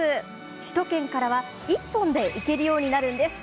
首都圏からは１本で行けるようになるんです。